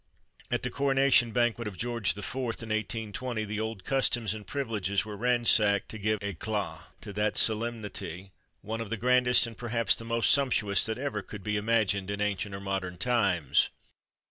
At the Coronation Banquet of George IV., in 1820, the old customs and privileges were ransacked to give éclat to that solemnity, one of the grandest, and perhaps, the most sumptuous that ever could he imagined in ancient or modern times.